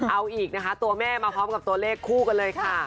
เอาอีกนะคะตัวแม่มาพร้อมกับตัวเลขคู่กันเลยค่ะ